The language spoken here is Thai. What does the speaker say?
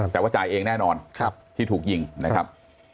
แต่ว่าจ่ายเองแน่นอนที่ถูกยิงนะครับ